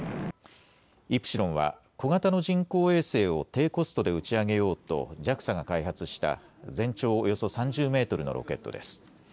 イプシロンは小型の人工衛星を低コストで打ち上げようとＪＡＸＡが開発した全長およそ３０メートルのロケットです。